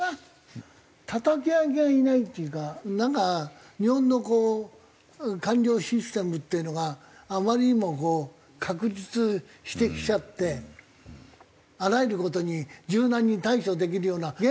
たたき上げがいないっていうかなんか日本のこう官僚システムっていうのがあまりにもこう確立してきちゃってあらゆる事に柔軟に対処できるような。